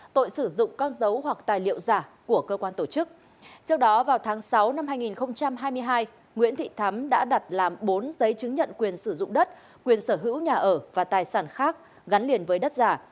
trước đó vào tháng sáu năm hai nghìn hai mươi hai nguyễn thị thắm đã đặt làm bốn giấy chứng nhận quyền sử dụng đất quyền sở hữu nhà ở và tài sản khác gắn liền với đất giả